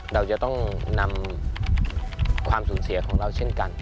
เราจะต้องนำความสูญเสียของเราเช่นกัน